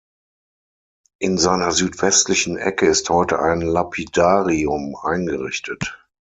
In seiner südwestlichen Ecke ist heute ein Lapidarium eingerichtet.